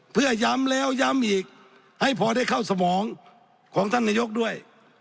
เพื่อย้ำแล้วย้ำอีกให้พอได้เข้าสมองของท่านนายกด้วย